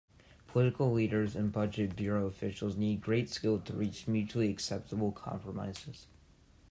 Political leaders and Budget Bureau officials need great skill to reach mutually acceptable compromises.